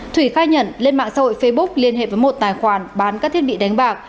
thủy khai nhận lên mạng xã hội facebook liên hệ với một tài khoản bán các thiết bị đánh bạc